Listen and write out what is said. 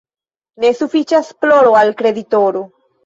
Ne sufiĉas ploro al kreditoro.